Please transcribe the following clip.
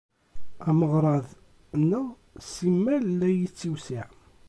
Ameɣrad-nneɣ simal la yettiwsiɛ.